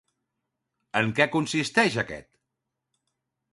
En què consisteix aquest?